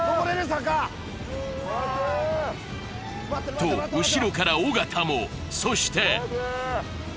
坂と後ろから尾形もそして！